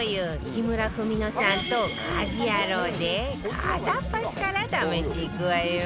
木村文乃さんと家事ヤロウで片っ端から試していくわよ